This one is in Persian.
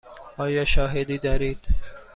آیا شاهدی دارید؟